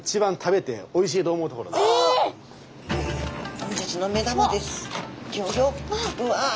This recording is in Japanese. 本日の目玉です。